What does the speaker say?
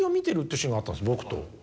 僕と。